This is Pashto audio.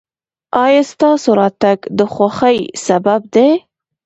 ایا ستاسو راتګ د خوښۍ سبب دی؟